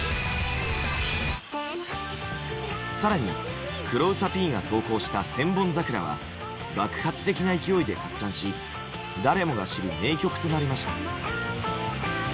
更に黒うさＰが投稿した「千本桜」は爆発的な勢いで拡散し誰もが知る名曲となりました。